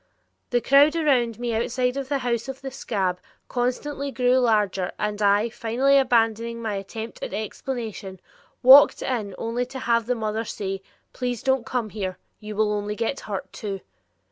The crowd around me outside of the house of the "scab" constantly grew larger and I, finally abandoning my attempt at explanation, walked in only to have the mother say: "Please don't come here. You will only get hurt, too."